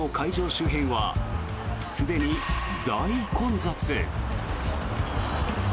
周辺はすでに大混雑。